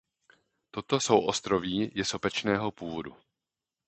Toto souostroví je sopečného původu.